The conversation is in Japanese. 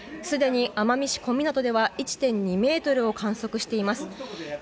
すでに奄美市小湊では１．２ｍを観測しています。